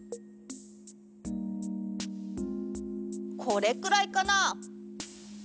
これくらいかな？